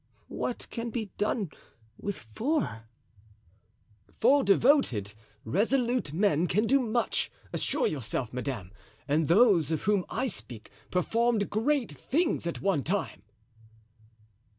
"What can be done with four?" "Four devoted, resolute men can do much, assure yourself, madame; and those of whom I speak performed great things at one time."